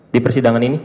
di persidangan ini